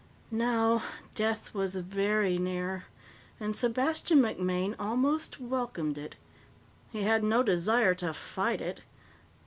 Now death was very near, and Sebastian MacMaine almost welcomed it. He had no desire to fight it.